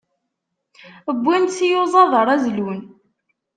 Wwin-d tiyuẓaḍ ara zlun.